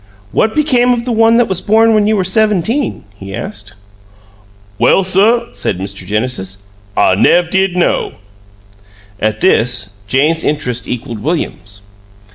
"What became of the one that was born when you were seventeen?" he asked. "Well, suh," said Mr. Genesis, "I nev' did know." At this, Jane's interest equaled William's.